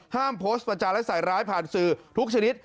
โพสต์ประจานและใส่ร้ายผ่านสื่อทุกชนิด